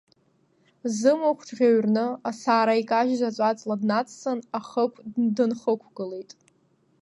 Зымахә ҿӷьыҩрны асаара икажьыз аҵәаҵла днаҵсын, ахықә дынхықәгылеит.